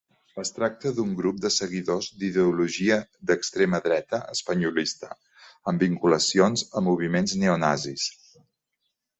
Es tracta d'un grup de seguidors d'ideologia d'extrema dreta espanyolista amb vinculacions a moviments neonazis.